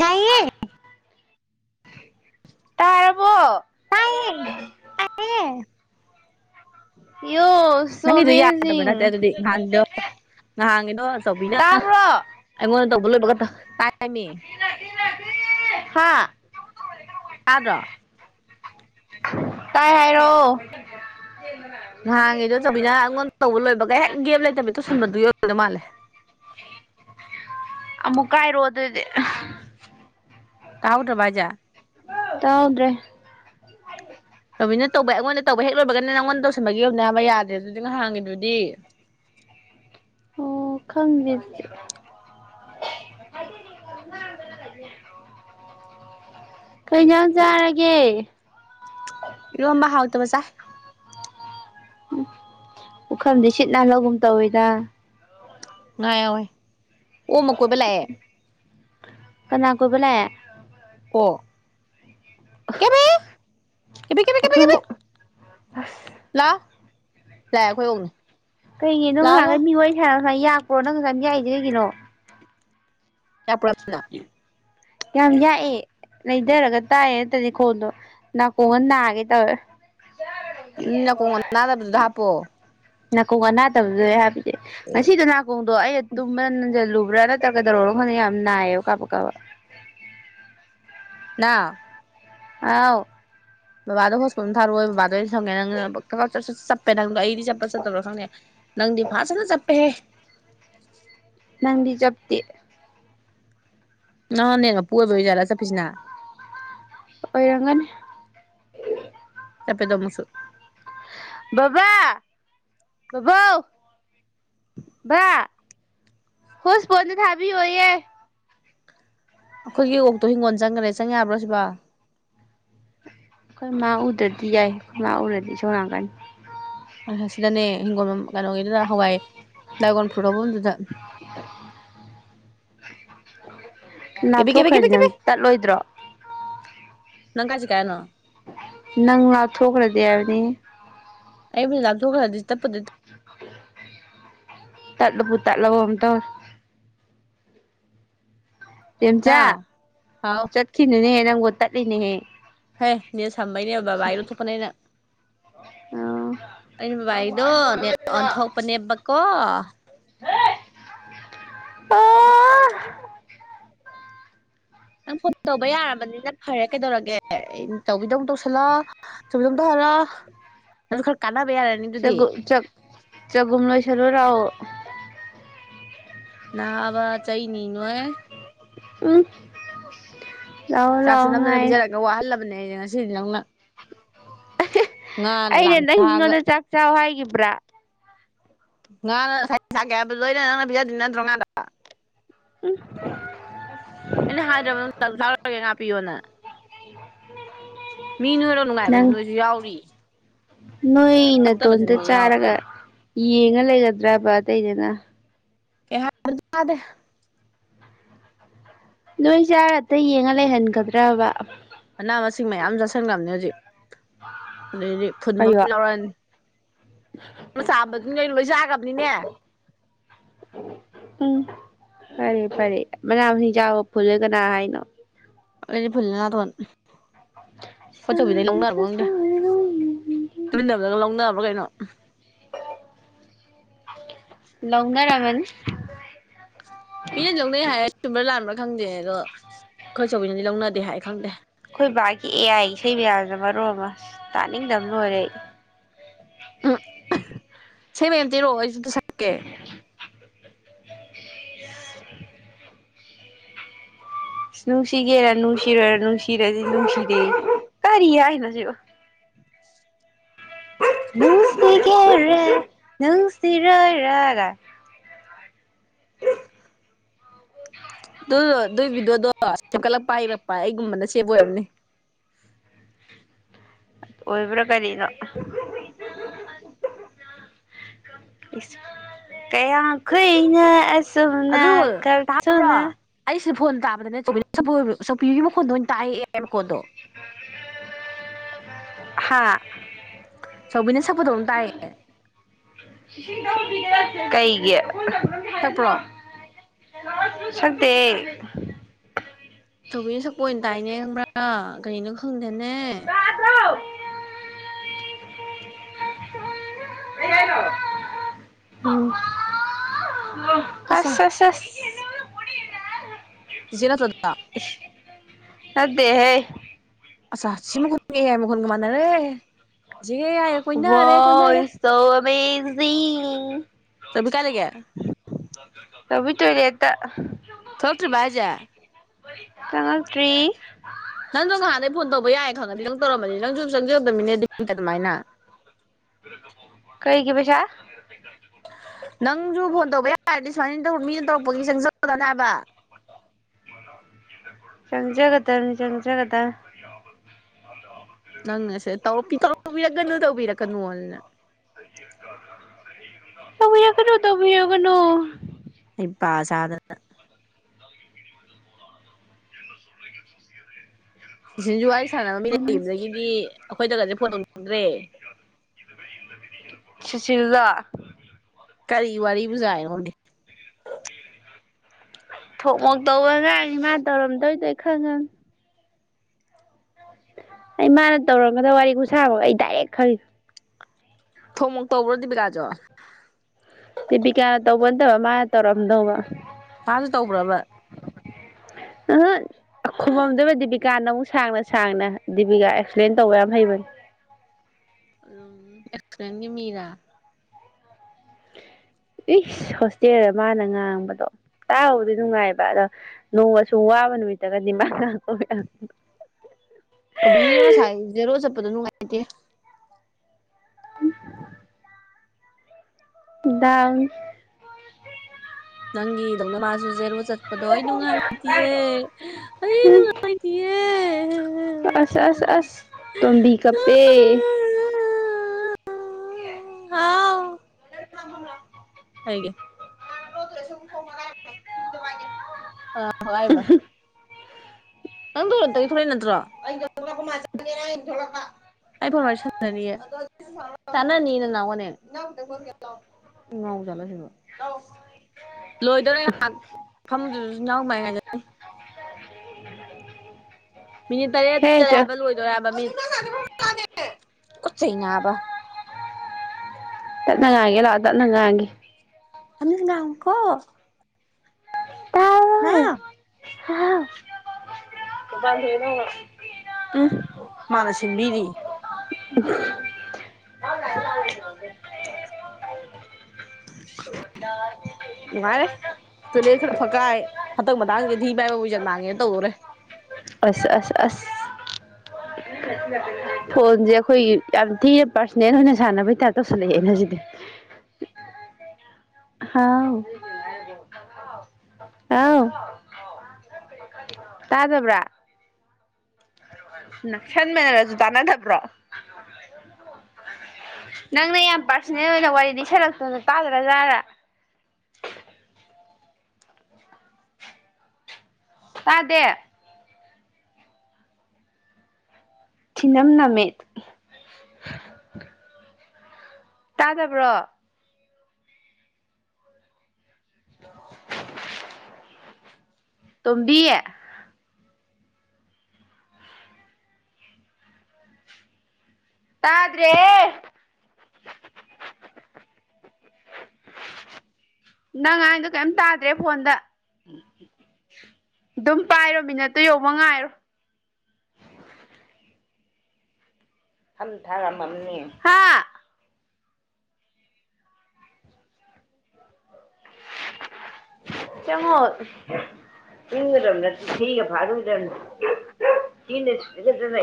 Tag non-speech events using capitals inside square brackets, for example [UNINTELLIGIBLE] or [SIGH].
ꯌꯥꯏꯌꯦ ꯇꯥꯔꯔꯕꯣ ꯇꯥꯏꯌꯦ ꯇꯥꯏꯌꯦ ꯌꯨ ꯅꯪꯒꯤꯗꯣ ꯌꯥꯗꯕ ꯅꯠꯇꯦ ꯑꯗꯨꯗꯤ ꯉꯍꯥꯟꯗꯣ ꯉꯍꯥꯡꯉꯤꯗꯣ ꯑꯆꯧꯕꯤꯅ ꯇꯥꯕ꯭ꯔꯣ ꯑꯩꯉꯣꯟꯗ ꯇꯧꯕ ꯂꯣꯏꯕꯒ ꯇꯥꯏꯔꯃꯤ ꯍꯥꯥ ꯇꯗ꯭ꯔꯣ ꯇꯥꯏ ꯍꯥꯏꯔꯥꯛꯑꫭ ꯅꯍꯥꯡꯉꯗꯣ ꯆꯕꯤꯅꯅꯥ ꯑꯩꯉꯣꯟꯗ ꯇꯧꯕ ꯂꯣꯏꯕꯒꯩ ꯍꯦꯛ ꯒꯦꯞ ꯂꯩꯇꯕꯤꯗꯣ ꯇꯩꯁꯤꯟꯕꯗꯨ ꯌ ꯑꯣꯏꯒꯗꯧ ꯃꯥꯜꯂꯦ ꯑꯃꯨꯛ ꯀꯥ ꯑꯗꯨꯗꯤ꯫ ꯇꯥꯥꯍꯧꯗ꯭ꯔꯕ ꯍꯥꯢꯖꯦ꯫ ꯇꯥꯍꯧꯗ꯭ꯔꯦ꯫ ꯇꯣꯃꯤꯅ ꯇꯧꯕꯩ ꯑꯩꯉꯣꯟꯗ ꯇꯧꯕ ꯍꯦꯛ ꯂꯣꯏꯕꯒꯅ ꯅꯪꯉꯣꯟꯗ ꯇꯧꯁꯟꯕꯒꯤꯅꯦꯕ ꯌꯥꯗ꯭ꯔꯦ ꯑꯗꯨꯗꯤ ꯉꯍꯥꯡꯒꯤꯗꯨꯗꯤ꯫ ꯑꯣ ꯈꯪꯗꯦ ꯑꯗꯨꯗꯤ꯫ [INAUDIBLE] ꯀꯩꯖꯥꯡ ꯆꯥꯔꯒꯦ꯫ ꯏꯔꯣꯝꯕ ꯍꯥꯎꯇꯕ ꯆꯥꯢ꯫ ꯎꯝ ꯄꯨꯈꯝꯗꯤ ꯁꯤꯠ ꯅꯥꯟꯍꯧꯒꯨꯝ ꯇꯧꯋꯤꯗ꯫ ꯉꯥ ꯌꯥꯎꯏ ꯑꯣꯛ ꯑꯃꯥ ꯀꯣꯏꯕ ꯂꯥꯛꯑꯦ ꯀꯅꯥ ꯀꯣꯏꯕ ꯂꯥꯛꯑꯦ ꯑꯣꯛ ꯀꯦꯕꯤ ꯀꯦꯕꯤ ꯑꯩꯈꯣꯏ ꯑꫭꯛ ꯂꯥꯛ ꯂꯥꯛꯑꯦ ꯑꯩꯈꯣꯏ ꯑꯣꯛꯅꯤ ꯀꯩꯒꯤ ꯂꯥꯎ ꯂꯥꯎ ꯉꯍꯥꯟꯈꯩ ꯃꯤꯏ ꯍꯥꯏꯔ ꯁꯨꯃꯥꯏꯅ ꯌꯥꯛꯄ꯭ꯔꯣ ꯅꯪ ꯉꯁꯥꯏꯝ ꯌꯥꯛꯏꯁꯦ ꯀꯩꯒꯤꯅꯣ [UNINTELLIGIBLE] ꯌꯥꯝ ꯌꯥꯛꯑꯦ ꯂꯩꯊꯔꯒ ꯇꯥꯏꯌꯦ ꯅꯠꯇꯗꯤ ꯈꯣꯟꯗꯣ ꯅꯥꯀꯣꯡꯒ ꯅꯥꯒꯦ ꯇꯧꯋꯦ ꯅꯥꯀꯣꯡ ꯑꯅꯗꯕꯗꯨꯗ ꯍꯥꯞꯄꯣ꯫ ꯅꯥꯀꯣꯡ ꯑꯅꯥꯇꯕꯗꯨꯗꯅꯦ ꯑꯩ ꯍꯥꯞꯄꯤꯁꯦ ꯉꯁꯤꯗꯣ ꯅꯥꯀꯣꯡꯗꯣ ꯑꯩ ꯇꯨꯝꯕꯗ ꯅꯟꯖꯜꯂꯨꯕ꯭ꯔꯥ ꯅꯠꯇ꯭ꯔ ꯀꯗꯧꯔꯕꯅꯣ ꯈꯪꯗꯦ ꯌꯥꯝ ꯅꯥꯏꯌꯦꯕ ꯀꯥꯕꯨꯛ ꯀꯥꯕꯨꯛ ꯅꯥꯎ꯫ ꯍꯥꯎ ꯕꯕꯥꯗꯣ ꯍꯣꯁꯄꯣꯠ ꯑꯝ ꯊꯥꯔꯛꯑꯣꯌꯣ ꯕꯕꯥꯗꯩ ꯑꯣꯏꯟ ꯁꯝꯒꯦ ꯅꯪ ꯆꯠꯄꯦ ꯈꯪꯗꯦ ꯅꯪꯗꯤ ꯐꯥꯖꯅ ꯆꯞꯄꯦꯍꯦ ꯅꯪꯗꯤ ꯆꯞꯇꯤ ꯅꯪꯅ ꯅꯦꯠ ꯃꯄꯨ ꯑꯣꯏꯕꯩ ꯑꯣꯏ ꯖꯥꯠꯂꯥ ꯆꯠꯄꯤꯖꯤꯅ꯫ ꯑꯣꯏꯔꯝꯒꯅꯤ ꯆꯄꯦꯗꯣ ꯃꯨꯛꯁꯨ꯫ ꯕꯥꯕꯥ ꯕꯥꯕꯥꯎ꯫ ꯕ ꯍꯣꯁꯐꯣꯠ ꯑꯝꯇ ꯊꯥꯕꯤꯌꯣꯌꯦ꯫ ꯑꯈꯣꯏꯒꯤ ꯑꯣꯛꯇꯣ ꯍꯤꯡꯒꯣꯜ ꯆꯪꯒꫭꯟ ꯆꯪꯈꯔꯦ ꯆꯪ ꯌꯥꯕ꯭ꯔꯣ ꯑꯁꯤꯕꯣ꯫ ꯑꯩꯈꯣꯏ ꯃꯥ ꯎꯗ꯭ꯔꯗꯤ ꯌꯥꯏ ꯑꯩꯈꯣꯏ ꯃꯥ ꯎꯔꯗꯤ ꯏꯁꯧ ꯂꯥꯡꯉꯛꯀꯅꯤ꯫ ꯑ ꯑꯁꯤꯗꯅꯦ ꯍꯤꯡꯒꯣꯜ ꯀꯩꯅꯣꯒꯤꯗꯨꯅ ꯍꯋꯥꯏ ꯗ꯭ꯔꯥꯏꯒꯣꯟ ꯐ꯭ꯔꯨꯠ ꯍꯧꯕꯝꯗꯨꯗ꯫ ꯀꯦꯕꯤ ꯀꯦꯕꯤ ꯀꯦꯕꯤ ꯅꯥꯞꯊꯣꯛꯈ꯭ꯔꯗꯤ ꯅꯪ ꯀꯦꯕꯤ ꯇꯠꯂꯣꯏꯗ꯭ꯔꯣ꯫ ꯅꯪ ꯀꯥꯢ ꯆꯠꯀꯦ ꯍꯥꯢꯅꯣ꯫ ꯅꯪ ꯉꯥꯛꯊꯣꯛꯈ꯭ꯔꯗꯤ ꯍꯥꯏꯕꯅꯤ ꯑꯩꯕꯨ ꯂꯥꯞꯊꯣꯛꯈ꯭ꯔꯗꯤ ꯇꯠꯄꯗꯨ ꯇꯠꯂꯕꯨ ꯇꯠꯂꯕꯣ ꯀꯩꯅꯣꯝ ꯇꯧꯔꯦ ꯆꯦꯝꯆꯥ ꯏꯇꯥꯎ ꯍꯥꯎ ꯆꯠꯈꯤꯅꯨꯅꯦ ꯅꯪꯕꯨ ꯇꯠꯂꯤꯅꯦꯍꯦ꯫ ꯍꯦ ꯅꯦꯠ ꯁꯝꯕꯩꯅꯦ ꯕꯕꯥꯢ ꯂꯧ ꯊꯣꯄꯅꯦ ꯑꯩꯅ ꯑꯣ ꯑꯩꯅ ꯕꯕꯥꯏꯗꯣ ꯅꯦꯠ ꯑꯣꯟꯊꯣꯛꯄꯅꯦꯕꯀꯣ ꯑ ꯑꯃꯨꯛ ꯄꯥꯢ ꯑꯥ ꯑꯃꯨꯛ ꯇꯧ ꯅꯪ ꯐꯣꯟ ꯇꯧꯕ ꯌꯥꯔꯕꯅꯤ ꯅ ꯐꯔꯦ ꯀꯩꯗꯧꯔꯒꯦ ꯑꯩꯅ ꯇꯧꯕꯤꯗꯧ ꯇꯧꯁꯤꯜꯂꯣ ꯑꯟꯏꯟꯇꯦꯜꯂꯤꯖꯦꯕꯜ ꯆꯒꯨ ꯆꯛ ꯆꯒꯨꯝ ꯂꯣꯏꯁꯜꯂꯨ ꯔꯥꯎꯋꯣ ꯅꯥꯕ ꯆꯩꯅꯤꯅꯣꯍꯦ꯫ ꯎꯝ꯫ ꯂꯥꯛꯑꯣ ꯆꯥꯛꯁꯨ ꯂꯥꯛꯑꯣ ꯅꯝꯗꯅ ꯉꯥꯏꯔꯦ ꯄꯤꯖꯔꯒ ꯋꯥꯍꯜꯂꯕꯅꯦ ꯉꯁꯤꯗꯤ ꯅꯪꯅ꯫ ꯉꯥꯅ ꯑꯩꯅ ꯂꯥꯡꯊꯥꯒ ꯅꯪꯉꯣꯟꯗ ꯆꯥꯛ ꯆ ꯥꯎ ꯍꯥꯏꯒꯤꯕ꯭ꯔꯥ꯫ ꯉꯥꯅ ꯉꯁꯥꯏ ꯁꯥꯀꯦ ꯍꯥꯏꯕ ꯅꯣꯏꯅ ꯅꯪꯅ ꯄꯤꯖꯗꯤ ꯅꯠꯇ꯭ꯔꯣ ꯉꯥꯗꯣ꯫ ꯎꯝ꯫ ꯑꯟꯏꯟꯇꯦꯜꯂꯤꯖꯦꯕꯜ ꯑꯟꯏꯟꯇꯦꯜꯂꯤꯖꯦꯕꯜ ꯃꯤ ꯅꯣꯏꯔ ꯅꯨꯡꯉꯥꯏꯕꯁꯨ ꯅꯣꯏꯁꯨ ꯌꯥꯎꯔꯤꯌꯦ ꯅꯣꯏ ꯅꯥꯇꯣꯟꯇ ꯅꯣꯏ ꯌꯥꯎꯔꯤ ꯆꯥꯔꯒ ꯌꯦꯡꯉ ꯂꯩꯒꯗ꯭ꯔꯕ ꯑꯇꯩꯗꯅ ꯑꯟꯏꯟꯇꯦꯜꯂꯤꯖꯦꯕꯜ ꯅꯣꯏꯁꯦ ꯍꯛꯇ ꯌꯦꯡꯉ ꯂꯩꯍꯟꯒꯗ꯭ꯔꯕ ꯃꯅꯥ ꯃꯁꯤꯡ ꯃꯌꯥꯝ ꯆꯥꯁꯤꯟꯈꯕꯅꯤ ꯍꯧꯖꯤꯛ ꯑꯗꯩꯗꯤ ꯐꯨꯟꯕ ꯑꯃ ꯂꯧꯔꯛꯑꯅꯤ ꯏꯟꯑꯣꯗꯤꯕꯜ ꯁꯥꯥꯝꯕꯗꯨ ꯅꯣꯏ ꯂꯣꯏ ꯆꯥꯒ꯭ꯕꯅꯤꯅꯦ ꯎꯝ ꯐꯔꯦ ꯐꯔꯦ ꯃꯅꯥ ꯃꯁꯤꯡ ꯆꯥꯕ ꯐꯨꯜꯂꯦ ꯀꯅꯥ ꯍꯥꯏꯅꯣ꯫ ꯑꯩꯗꯤ ꯐꯨꯜꯂꯦ ꯅꯥꯇꯣꯟ꯫ ꯈꯣꯏꯆꯧꯕꯤꯗꯩ ꯂꯧꯅꯔꯕ ꯑꯟꯏꯟꯇꯦꯜꯂꯤꯖꯦꯕꯜ ꯗꯨꯗꯒ ꯂꯧꯅꯕ꯭ꯔꯥ ꯀꯩꯅꯣ ꯂꯧꯅꯔꯝꯃꯅꯤ꯫ ꯃꯤꯅꯗꯤ ꯂꯧꯅꯩ ꯍꯥꯏ ꯆꯨꯝꯕ꯭ꯔꯥ ꯂꯥꯟꯕ꯭ꯔꯥ ꯈꯪꯗꯦꯍꯦ ꯑꯗꯣ ꯈꯣꯏꯆꯧꯕꯤꯅꯗꯤ ꯂꯧꯅꯗꯦ ꯍꯥꯏ ꯈꯪꯗꯦ꯫ ꯑꯩꯈꯣꯏ ꯕꯥꯒꯤ ꯑꯦ ꯑꯥꯏ ꯏꯁꯩ ꯃꯌꯥꯁ ꯃꯔꯣ ꯑꯃ ꯇꯥꯅꯤꯡꯗꯕ ꯂꯣꯏꯔꯦ ꯎꯝ ꯏꯁꯩ ꯃꯦꯝ ꯇꯤꯔꯛꯑꯣ ꯑꯩꯁꯨꯗ ꯁꯛꯀꯦ ꯅꯨꯡꯁꯤꯒꯦꯔ ꯅꯨꯡꯁꯤꯔꯣꯏꯔ ꯅꯨꯡꯁꯤꯔꯗꯤ ꯅꯨꯡꯁꯤꯔꯦ ꯀꯔꯤ ꯍꯥꯏꯅꯣ ꯁꯤꯕꯣ ꯅꯨꯡꯁꯤ ꯀꯦꯔ ꯅꯨꯡꯁꯤ ꯔꯔꯒ ꯑꯗꯨ ꯑꯗꯨꯒꯤ ꯚꯗꯤꯑꯣꯗꯣ ꯁꯦꯝꯀꯠꯂꯛꯄ ꯏꯔꯛꯄ ꯑꯩꯒꯨꯝꯕꯅ ꯁꯦꯞ ꯑꯣꯏꯔꯝꯅꯦ ꯑꯣꯕ꯭ꯔꯣ ꯀꯔꯤꯅꯣ ꯀꯌꯥ ꯀꯨꯏꯅ ꯑꯁꯨꯝꯅ ꯀꯞꯊꯨꯅ ꯑꯩꯁꯤꯗ ꯐꯣꯟ ꯇꯥꯕꯗꯅꯦ ꯆꯧꯄꯤꯒꯤ ꯃꯈꯣꯟꯗꯣ ꯑꯣꯏꯅ ꯇꯥꯛꯛꯑꯦ ꯃꯈꯣꯟꯗꯣ ꯍꯥꯥ ꯁꯤꯅ ꯁꯄꯗꯧꯅ ꯇꯥꯏꯌꯦ ꯀꯩꯒꯤ ꯆꯠꯄ꯭ꯔꯣ ꯁꯛꯇꯦꯍꯦ ꯆꯧꯕꯤꯅ ꯁꯛꯄ ꯑꯣꯏꯅ ꯇꯥꯏꯅꯦ ꯈꯪꯕ꯭ꯔꯥ ꯀꯔꯤꯅꯣ ꯈꯪꯗꯦꯅꯦ ꯎꯝ ꯑꯠꯆꯥ ꯑꯁ ꯑꯁ ꯑꯁ ꯆꯤꯆꯦ ꯅꯠꯇꯔꯣ ꯑꯗꯨꯗꯣ ꯅꯠꯇꯦꯍꯦ ꯑꯆꯥ ꯁꯤꯃꯨꯈꯣꯟꯒꯦ ꯍꯥꯏ ꯃꯈꯜꯒꯃꯥꯟ ꯅꯔꯦ ꯑꯟꯏꯟꯇꯦꯜꯂꯤꯖꯦꯕꯜ ꯋꯥ ꯁꯣ ꯑꯃꯦꯖꯤꯡ ꯆꯝꯐꯨꯠ ꯀꯥꯏ ꯂꯩꯒꯦ ꯀꯕꯤ ꯇꯔꯤ ꯑꯠꯇ ꯊꯣꯛꯣꯛꯇ꯭ꯔꯦ ꯕꯥꯖꯥ ꯆꯃꯇ꯭ꯔꯤ ꯅꯪꯗꯣ ꯅꯍꯥꯟꯗꯩ ꯐꯣꯟ ꯇꯧꯕ ꯌꯥꯏꯌꯦ ꯈꯪꯉꯗꯤ ꯅꯪ ꯇꯧꯔꯝꯕꯅꯤ ꯅꯪꯁꯨ ꯆꯪꯖꯧꯗꯕꯃꯤꯅꯦꯗꯤ ꯑꯗꯨꯃꯥꯏꯅ ꯀꯩꯒꯤ ꯄꯩ ꯆ ꯅꯪꯁꯨ ꯐꯣꯟ ꯇꯧꯕ ꯌꯥꯔꯗꯤ ꯁꯨꯃꯥꯏꯅ ꯃꯤꯅ ꯇꯧꯔꯛꯄꯒꯤ ꯆꯪꯖꯕꯗꯅꯦ ꯍꯥꯏꯕ ꯆꯪꯖꯒꯗꯅꯤ ꯆꯪꯖꯒꯗ ꯅꯪꯅꯁꯦ ꯇꯧꯕꯤꯔꯛꯀꯅꯣ ꯇꯧꯕꯤꯔꯛꯀꯅꯨꯣꯅ [INAUDIBLE] ꯀꯅꯣ ꯇꯕꯤꯒꯅꯣ ꯑꯩ ꯄ ꯆꯥꯗꯅ ꯁꯤ ꯁꯤꯁꯨ ꯋꯥꯔꯤ ꯁꯥꯟꯅꯕ ꯃꯤ ꯂꯩꯗꯒꯤꯗꯤ ꯑꯩꯈꯣꯏꯗꯒꯗꯤꯦ ꯐꯣꯟ ꯇꯧꯅꯤꯡꯗ꯭ꯔꯦ ꯁꯁꯤꯔꯤꯗ ꯀꯔꯤ ꯋꯥꯔꯤ ꯖꯥꯥꯏꯔ ꯍꯧꯒꯦ ꯊꯣꯛ ꯃꯣꯛ ꯇꯧꯕ ꯉꯥꯡꯅꯤ ꯃꯥ ꯇꯧꯔꯝꯗꯣꯏꯗꯣꯏ ꯈꯪ ꯉ ꯑꯩ ꯃꯥꯅ ꯇꯧꯔꯝꯒꯗ ꯋꯥꯔꯤꯒ ꯁꯥꯕꯒ ꯑꯩ ꯗꯥꯏꯔꯦꯛ ꯈꯜꯂꯤ ꯊꯣꯡꯃꯨ ꯇꯧꯕ꯭ꯔꯣꯗꯤꯕꯤꯀꯥꯖꯣ ꯇꯤꯄꯤ ꯀꯥꯌꯥꯅ ꯇꯧꯕ ꯅꯠꯇꯕ ꯃꯥꯅ ꯇꯧꯔꯝꯗꯧꯕ ꯃꯥꯁꯨ ꯇꯥꯎꯕ꯭ꯔꯕ ꯈꯨꯃꯝꯗꯨꯗ ꯗꯤꯕꯤꯀꯥ ꯅ ꯑꯃꯨꯛ ꯁꯥꯡꯅ ꯁꯥꯡꯅ ꯗꯤꯕꯤꯀꯥ ꯑꯦꯛꯁꯄ꯭ꯂꯦꯟ ꯇꯧꯕ ꯌꯥꯝ ꯍꯩꯕꯅꯤ ꯎ ꯑꯦꯈ꯭ꯔ ꯃꯔꯥ ꯏ ꯍꯣꯁꯇꯦꯜꯗ ꯃꯥꯅ ꯉꯥꯡꯕꯗꯣ ꯇꯥꯛꯍꯕꯗꯤ ꯅꯨꯡꯉꯥꯏꯕ ꯑꯗꯣ ꯅꯣꯡꯃ ꯁ ꯋꯥꯕ ꯅꯨꯃꯤꯠꯇꯒꯗꯤ ꯃꯥ ꯕꯤꯔꯣꯁꯥꯏ ꯖꯦꯔꯣ ꯆꯠꯄꯗꯣ ꯅꯨꯡꯉꯥꯏꯇꯦ [INAUDIBLE] ꯅꯪ ꯏꯧꯪꯅ ꯃꯥꯁꯨꯖꯦ ꯏꯔ ꯆꯠꯄꯗꯣ ꯑꯩ ꯅꯨꯡꯉꯥꯏꯇꯌꯦ ꯑꯩ ꯍꯨꯝ ꯅꯨꯡꯉꯥꯏꯇꯌꯦ ꯑꯁ ꯑꯁ ꯑꯁ ꯇꯨꯡꯕꯤ ꯈꯞꯄꯦ ꯍꯥꯎ ꯑ ꯍꯥꯏꯕ ꯅꯪꯗꯇꯒꯤ ꯊꯣꯛꯂꯛꯏ ꯅꯠꯇ꯭ꯔꯣ ꯑꯩ ꯐꯣꯟ ꯃ ꯁꯥꯟꯖꯔꯤꯌꯦ ꯇꯥꯟꯅꯅꯤꯅ ꯂ ꯋꯥꯣꯅꯦ ꯉꯥꯎꯖꯂ ꯁꯦꯡꯕꯣ ꯂꯣꯏꯗꯔꯦ ꯉꯍꯥꯛ ꯃꯐꯝꯗꯨꯁꯨ ꯎ ꯃꯥꯏ ꯍꯥꯏꯖꯅꯤ ꯍꯤꯗꯥꯛ ꯃꯤꯅꯤꯠ ꯇꯔꯦꯠ ꯍꯦ ꯆꯠꯂꯦ ꯆꯣ ꯍꯥꯏꯕ ꯂꯣꯏꯗꯣꯔꯦ ꯍꯥꯏꯕ ꯃꯤ ꯈꯨꯠ ꯆꯩ ꯅꯥꯕ ꯇꯠꯅ ꯉꯥꯏꯒꯦ ꯂꯥꯛꯑꯣ ꯇꯠꯅ ꯉꯥꯏꯥꯡꯒꯦ ꯑꯃꯤ ꯅꯥ ꯀꯣ ꯍꯥ ꯍꯥ ꯎꯝ ꯍꯅ ꯃꯥꯅ ꯁꯤ ꯁꯤꯟꯕꯤꯔꯤ ꯑ ꯑꯗꯨ ꯍꯥꯏꯦ ꯑꯗꯨꯗꯤ [INAUDIBLE] ꯅꯨꯡꯉꯥꯏꯔꯦ ꯇꯣꯏꯂꯦꯠ ꯈꯔ ꯐꯛꯀꯥꯏ ꯍꯊꯛ ꯃꯇꯊꯥꯡꯁꯤꯗꯗꯤꯤ ꯃꯥꯏꯕꯕꯨꯖꯟ ꯃꯥꯡꯉꯦꯅ ꯇꯧꯗꯣꯔꯦ [INAUDIBLE] ꯑꯁ ꯑꯁ ꯑꯁ ꯐꯣꯟꯁꯦ ꯑꯩꯈꯣꯏ ꯌꯥꯝ ꯊꯤꯅ ꯄꯥꯔꯁꯣꯅꯦꯜ ꯑꯣꯏꯅ ꯁꯥꯟꯅꯕꯩꯇꯥꯔ ꯇꯧꯁꯜꯂꯛꯑꯦꯅ ꯍꯧꯖꯤꯗꯤ ꯍꯥꯎ ꯑꯥꯎ ꯇꯥꯗꯕ꯭ꯔꯥ ꯅꯛꯁꯟ ꯃꯦꯟꯅꯔꯁꯨ ꯇꯥꯟꯅꯗꯕ꯭ꯔꯣ ꯅꯪꯅ ꯌꯥꯝ ꯄꯥꯔꯁꯣꯅꯦꯜ ꯑꯣꯏꯅ ꯋꯥꯔꯤ ꯂꯤꯁꯜꯂꯛꯇꯣꯅ ꯇꯥꯗ꯭ꯔ ꯖꯥꯠꯔ ꯇꯥꯗꯦ ꯊꯤꯅꯝ ꯅꯝꯃꯦ ꯇꯥꯗꯕ꯭ꯔꯣ ꯇꯣꯝꯕꯤ ꯇꯥꯗ꯭ꯔꯦ ꯅꯪ ꯉꯥꯟꯗꯣ ꯀꯩꯝ ꯇꯥꯗ꯭ꯔꯦ ꯐꯣꯟꯗ ꯑꯗꯨꯝ ꯄꯥꯏꯔꯣ ꯃꯤꯅꯠꯇꯨ ꯌꯧꯕ ꯉꯥꯏꯔꯣ ꯄꯩꯁꯥ ꯌꯥꯝꯃꯝꯅꯤ ꯑ ꯆꯪꯉꯣ ꯏꯪꯒꯗꯕꯅꯦ ꯊꯤꯒ ꯐꯥꯏꯔꯨꯒꯗꯕꯅꯦ ꯏꯅ [UNINTELLIGIBLE]